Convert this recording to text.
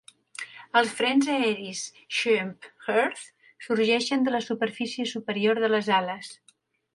Els frens aeris Schempp Hirth sorgeixen de la superfície superior de les ales.